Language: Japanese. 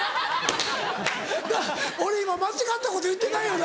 俺今間違ったこと言ってないよな？